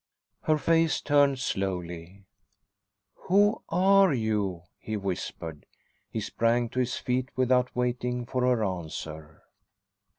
Her face turned slowly. "Who are you?" he whispered. He sprang to his feet without waiting for her answer.